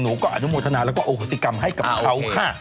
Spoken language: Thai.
หนูก็อนุโมทนาแล้วก็โอโหสิกรรมให้กับเขาค่ะ